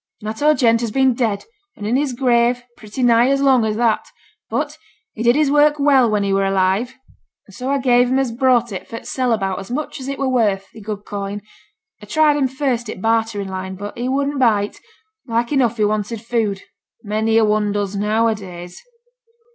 Natteau Gent has been dead and in his grave pretty nigh as long as that. But he did his work well when he were alive; and so I gave him as brought it for t' sell about as much as it were worth, i' good coin. A tried him first i' t' bartering line, but he wouldn't bite; like enough he wanted food, many a one does now a days.'